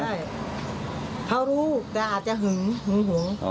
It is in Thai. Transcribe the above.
ใช่เขารู้แต่อาจจะหึงหึงหวง